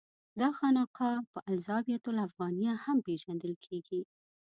دا خانقاه په الزاویة الافغانیه هم پېژندل کېږي.